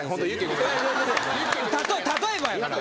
例えばやから。